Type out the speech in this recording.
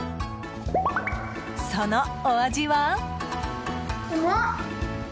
そのお味は。